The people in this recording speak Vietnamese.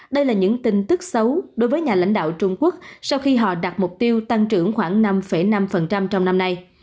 đây là những tin tức xấu đối với nhà lãnh đạo trung quốc sau khi họ đặt mục tiêu tăng trưởng khoảng năm năm trong năm nay